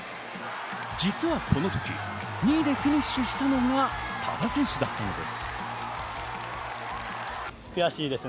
実はこの時、２位でフィニッシュしたのが多田選手だったのです。